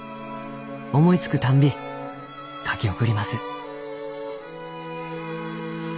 思いつくたんび書き送ります」。